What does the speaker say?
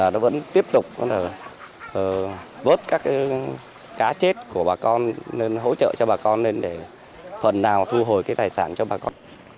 nó vẫn tiếp tục bớt các cá chết của bà con hỗ trợ cho bà con lên để phần nào thu hồi cái tài sản cho bà con